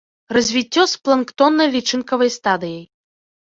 Развіццё з планктоннай лічынкавай стадыяй.